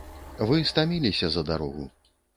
Вы стаміліся за дарогу.